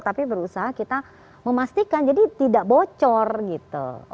tapi berusaha kita memastikan jadi tidak bocor gitu